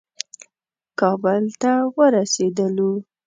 کابل ته ورسېدلو.